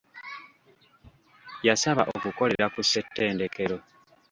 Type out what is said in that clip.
Yasaba okukolera ku ssetendekero.